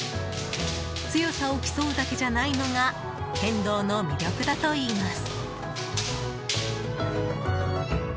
強さを競うだけじゃないのが剣道の魅力だといいます。